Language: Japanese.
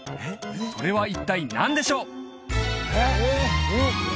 それは一体何でしょう？